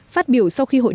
phát biểu sau khi hội đồng